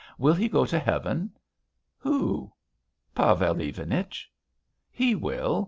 "Will he go to heaven?" "Who?" "Pavel Ivanich." "He will.